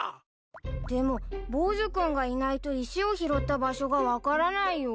でもボーズ君がいないと石を拾った場所が分からないよ。